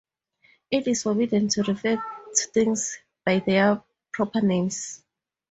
It is forbidden to refer to things by their proper names.